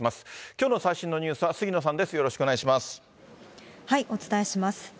きょうの最新のニュースは杉野さお伝えします。